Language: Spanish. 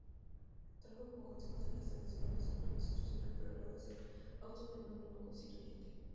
Trajo como consecuencia la instalación de la Asamblea Constitucional pero luego se autodenominó Constituyente.